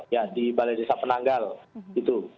ya di balai desa penanggal gitu